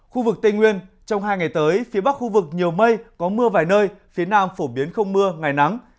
khu vực tây nguyên trong hai ngày tới phía bắc khu vực nhiều mây có mưa vài nơi phía nam phổ biến không mưa ngày nắng